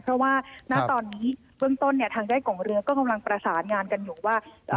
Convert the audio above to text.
เพราะว่าณตอนนี้เบื้องต้นเนี่ยทางด้านของเรือก็กำลังประสานงานกันอยู่ว่า